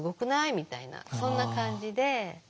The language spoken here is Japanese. みたいなそんな感じで。